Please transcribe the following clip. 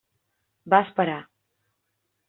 Va esperar.